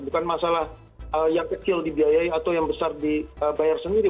bukan masalah yang kecil dibiayai atau yang besar dibayar sendiri